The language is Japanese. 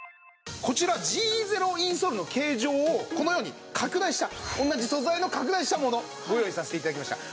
こちらＧゼロインソールの形状をこのように拡大した同じ素材の拡大したものご用意させて頂きました。